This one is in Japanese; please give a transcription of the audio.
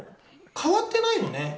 変わってないよね。